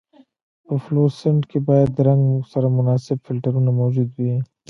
په فلورسنټ کې باید د رنګ سره مناسب فلټرونه موجود وي.